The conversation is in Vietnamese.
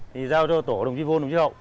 thì giao cho tổ đồng chí vô đồng chí hậu